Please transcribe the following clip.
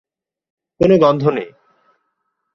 কোন গন্ধ নেই।